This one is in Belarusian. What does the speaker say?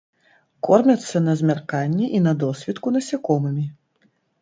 Кормяцца на змярканні і на досвітку насякомымі.